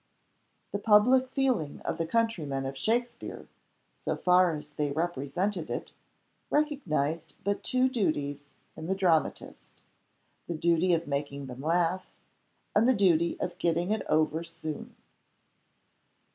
The public feeling of the countrymen of Shakespeare, so far as they represented it, recognized but two duties in the dramatist the duty of making them laugh, and the duty of getting it over soon.